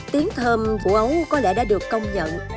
tiếng thơm của ấu có lẽ đã được công nhận